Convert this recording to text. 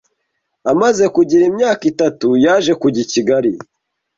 amaze kugira imyaka itatu yaje kujya i Kigali